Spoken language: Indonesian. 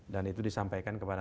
dan itu disampaikan kepada